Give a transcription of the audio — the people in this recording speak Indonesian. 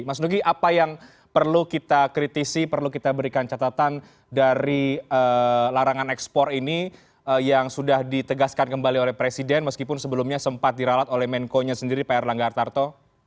mas nugi apa yang perlu kita kritisi perlu kita berikan catatan dari larangan ekspor ini yang sudah ditegaskan kembali oleh presiden meskipun sebelumnya sempat diralat oleh menko nya sendiri pak erlangga artarto